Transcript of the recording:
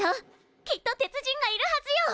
きっと鉄人がいるはずよ！